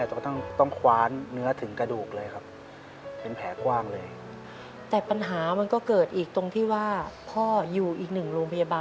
จนกระทั่งต้องคว้านเนื้อถึงกระดูกเลยครับ